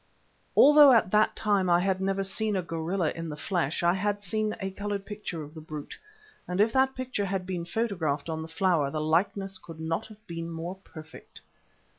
Although at that time I had never seen a gorilla in the flesh, I had seen a coloured picture of the brute, and if that picture had been photographed on the flower the likeness could not have been more perfect.